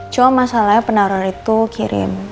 cuma masalahnya penaruh itu kirim